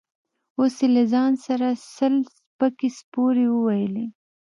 اوس يې له ځان سره سل سپکې سپورې وويلې.